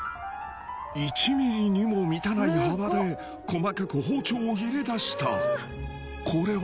１ミリにも満たない幅で細かく包丁を入れ出したこれは？